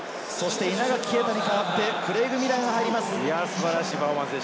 稲垣啓太に代わってクレイグ・ミラーが入った。